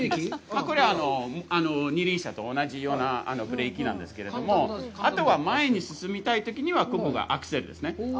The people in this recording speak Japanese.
これは二輪車と同じようなブレーキなんですけれども、あとは前に進みたいときにはここがアクセルですね。